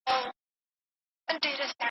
اخلاقي روزنه د ښووني مهمه برخه جوړوي.